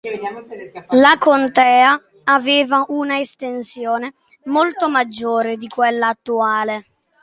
La contea aveva una estensione molto maggiore di quella attuale.